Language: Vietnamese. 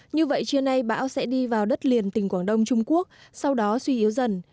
như vậy trưa nay bão sẽ đi vào đất liền tỉnh quảng đông trung quốc sau đó suy yếu dần